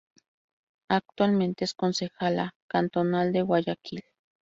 Actualmente es concejala cantonal de Guayaquil.